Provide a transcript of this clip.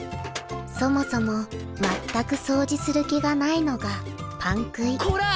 そもそも全く掃除する気がないのがパンくいこらっ！